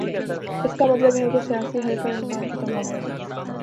اس کا مطلب ہے کہ سیاسی حل کا امکان ختم ہو گیا ہے۔